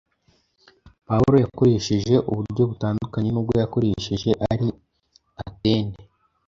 Pawulo yakoresheje uburyo butandukanye n’ubwo yakoresheje ari Atene.